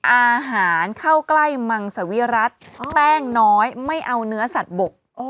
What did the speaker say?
อาหารเข้าใกล้มังสวิรัติแป้งน้อยไม่เอาเนื้อสัตว์บก